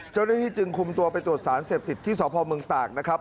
เจ้าหน้าที่จึงคุมตัวไปตรวจสารเสพติดที่สพเมืองตากนะครับ